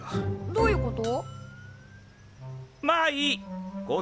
どういうこと？